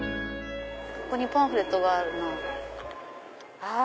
ここにパンフレットがあるなぁ。